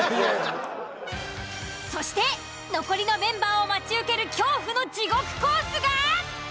そして残りのメンバーを待ち受ける恐怖の地獄コースが。